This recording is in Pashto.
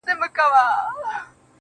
يوه نه، دوې نه، څو دعاوي وكړو.